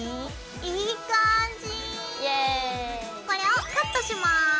これをカットします。